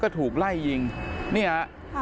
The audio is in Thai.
ตอนนี้ก็เปลี่ยนแบบนี้แหละ